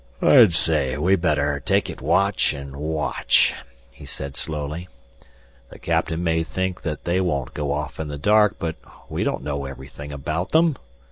"I'd say we'd better take it watch and watch," he said slowly. "The captain may think that they won't go off in the dark, but we don't know everything about them.